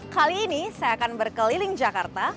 kali ini saya akan berkeliling jakarta